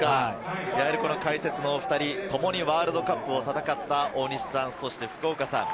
解説のお２人、共にワールドカップを戦った大西さん、そして福岡さん。